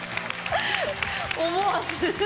思わず。